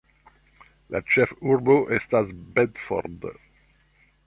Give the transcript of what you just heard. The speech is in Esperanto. La ĉefurbo estas Bedford.